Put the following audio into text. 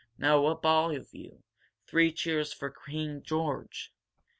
Now up, all of you! Three cheers for King George!"